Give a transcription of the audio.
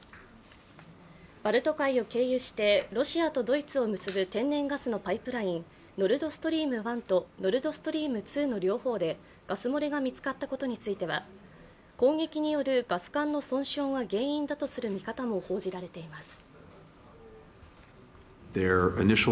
バルト海を経由してロシアとドイツを結ぶ天然ガスのパイプライン、ノルドストリーム１とノルドストリーム２の両方でガス漏れが見つかったことについては攻撃によるガス管の損傷が原因だとする見方も報じられています。